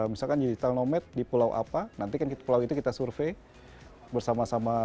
misalkan digital nomad di pulau apa nanti kan pulau itu kita survei bersama sama